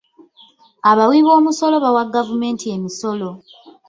Abawiboomusolo bawa gavumenti emisolo